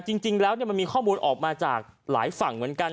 จริงแล้วมันมีข้อมูลออกมาจากหลายฝั่งเหมือนกัน